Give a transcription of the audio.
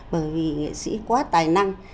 bởi vì nghệ sĩ quá tài năng